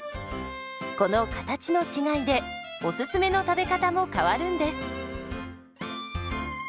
この形の違いでおすすめの食べ方も変わるんです。